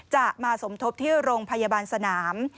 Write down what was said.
จะมาสมทบที่โรงพยาบาลสนาม